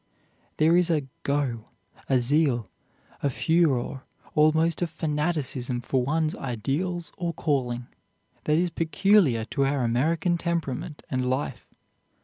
There is a "go," a zeal, a furore, almost a fanaticism for one's ideals or calling, that is peculiar to our American temperament and life.